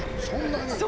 そんなに？